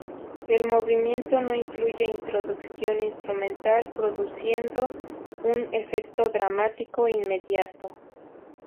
El movimiento no incluye introducción instrumental, produciendo un "efecto dramático inmediato".